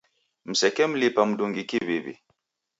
Msekemlipa mndungi kiw'iw'i